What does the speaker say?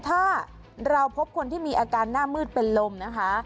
ถ้าเราพบคนที่มีอาการหน้ามืดเป็นลมนะคะ